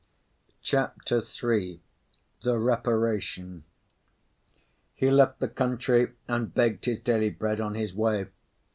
CHAPTER III THE REPARATION He left the country and begged his daily bread on his way.